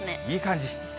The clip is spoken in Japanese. いい感じ。